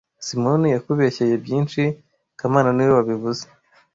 Simoni yakubeshyeye byinshi kamana niwe wabivuze